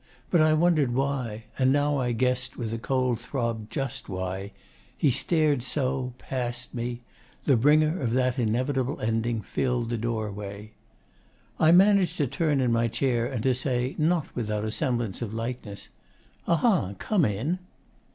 But I wondered why and now I guessed with a cold throb just why he stared so, past me. The bringer of that 'inevitable ending' filled the doorway. I managed to turn in my chair and to say, not without a semblance of lightness, 'Aha, come in!